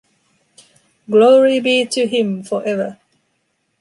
Glory be to him, forever!